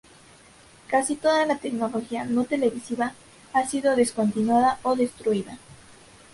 Casi toda la tecnología no televisiva ha sido descontinuada o destruida.